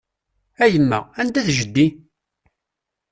A yemma, anda-t jeddi?